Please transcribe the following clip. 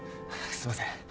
すいません。